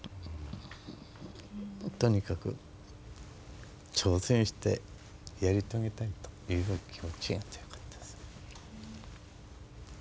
とにかく挑戦してやり遂げたいという気持ちが強かったですね。